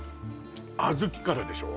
小豆からでしょ？